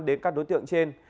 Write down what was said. đến các đối tượng trên